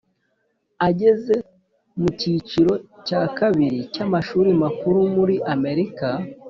Ageze mukiciro cya kabiri cy Amashuri Makuru muri amerika